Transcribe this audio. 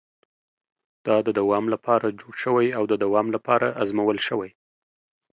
دا د دوام لپاره جوړ شوی او د دوام لپاره ازمول شوی.